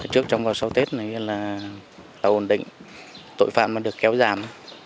trước trong và sau tết này là ổn định tội phạm được kéo giảm